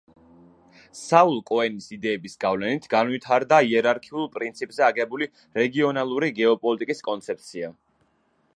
საულ კოენის იდეების გავლენით განვითარდა იერარქიულ პრინციპზე აგებული რეგიონალური გეოპოლიტიკის კონცეფცია.